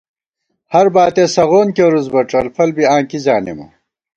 ہر باتِیَہ سغون کېرُوس بہ ڄلفل بی آں کی زانېمہ